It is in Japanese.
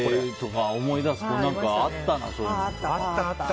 思い出すとあったな、そういうの。